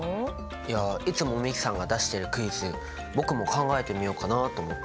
いやいつも美樹さんが出してるクイズ僕も考えてみようかなと思って。